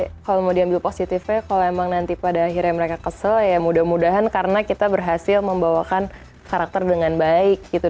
kalau mau diambil positifnya kalau emang nanti pada akhirnya mereka kesel ya mudah mudahan karena kita berhasil membawakan karakter dengan baik gitu